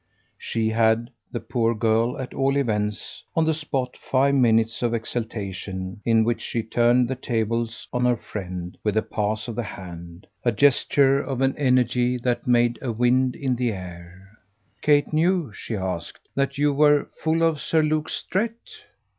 She had, the poor girl, at all events, on the spot, five minutes of exaltation in which she turned the tables on her friend with a pass of the hand, a gesture of an energy that made a wind in the air. "Kate knew," she asked, "that you were full of Sir Luke Strett?"